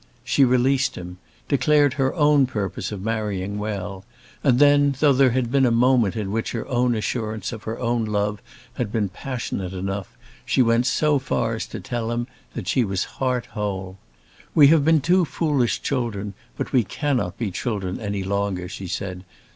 She released him, declared her own purpose of marrying well; and then, though there had been a moment in which her own assurance of her own love had been passionate enough, she went so far as to tell him that she was heart whole. "We have been two foolish children but we cannot be children any longer," she said.